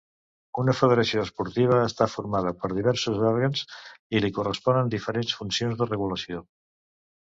Una federació esportiva està formada per diversos òrgans i li corresponen diferents funcions de regulació.